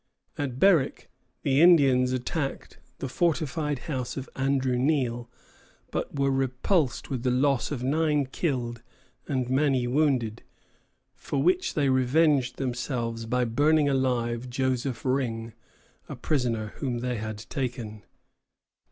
At Berwick the Indians attacked the fortified house of Andrew Neal, but were repulsed with the loss of nine killed and many wounded, for which they revenged themselves by burning alive Joseph Ring, a prisoner whom they had taken.